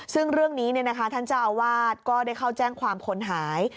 ซึ่งเรื่องนี้ท่านเจ้าอาวาสก็ได้เข้าแจ้งความคนหาย